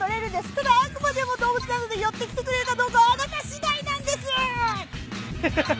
ただあくまでも動物なので寄ってきてくれるかどうかはあなたしだいなんです。